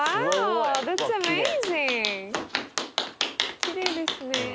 きれいですね。